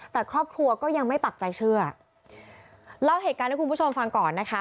แต่ครอบครัวก็ยังไม่ปักใจเชื่อเล่าเหตุการณ์ให้คุณผู้ชมฟังก่อนนะคะ